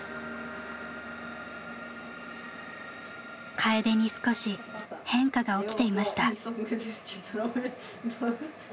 Ｋａｅｄｅに少し変化が起きていました。